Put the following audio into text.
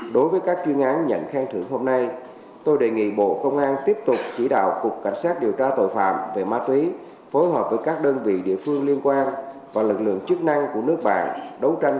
đối với các chuyên án nhận khen thưởng hôm nay tôi đề nghị bộ công an tiếp tục chỉ đạo cục cảnh sát điều tra tội phạm về ma túy phối hợp với các đơn vị địa phương liên quan và lực lượng chức năng của nước bạn